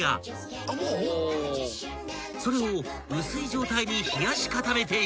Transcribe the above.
［それを薄い状態に冷やし固めていく］